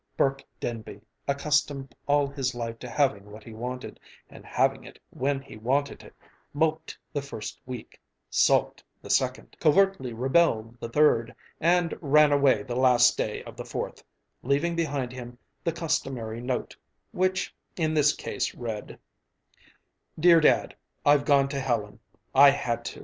Burke Denby, accustomed all his life to having what he wanted, and having it when he wanted it, moped the first week, sulked the second, covertly rebelled the third, and ran away the last day of the fourth, leaving behind him the customary note, which, in this case, read: Dear Dad: I've gone to Helen. I had to.